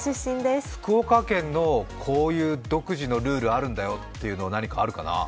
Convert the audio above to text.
福岡県のこういう独自のルールあるんだよっていうの、何かあるかな？